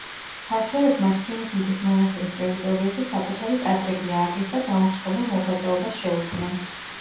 ქართველებმა სინის მთის მონასტრის ტერიტორიაზე საკუთარი ტაძრები ააგეს და დაუცხრომელ მოღვაწეობას შეუდგნენ.